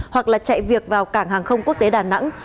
hoặc là chạy việc vào cảng hàng không quốc tế đà nẵng